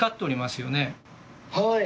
はい。